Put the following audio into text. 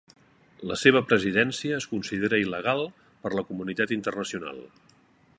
La seva presidència es considera il·legal per la comunitat internacional.